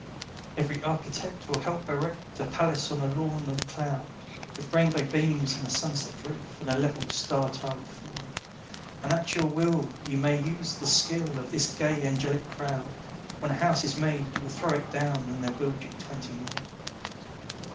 Every architect will help erect A palace on a lawn of cloud, With rainbow beams and a sunset roof, And a level star tiled floor; And at your will you may use the skill Of this gay angelic crowd, When a house is made you will throw it down, And they'll build you twenty more.